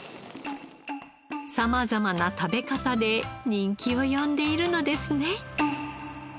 様々な食べ方で人気を呼んでいるのですね。